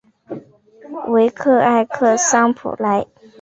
维克埃克桑普莱。